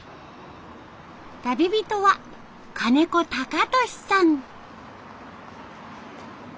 旅人は金子貴俊さん。